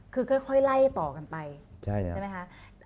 คือค่อยไล่ต่อกันไปใช่ไหมคะ